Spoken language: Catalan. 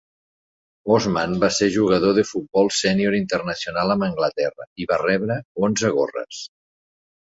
Osman va ser jugador de futbol sénior internacional amb Anglaterra i va rebre onze gorres.